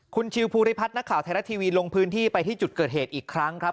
คุณชิวภูริพัฒน์นักข่าวไทยรัฐทีวีลงพื้นที่ไปที่จุดเกิดเหตุอีกครั้งครับ